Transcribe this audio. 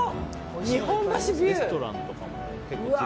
日本橋ビュー。